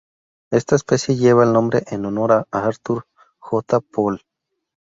Esta especie lleva el nombre en honor a Arthur J. Poole.